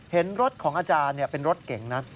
เห็นรถของอาจารย์เป็นรถเก่งนะ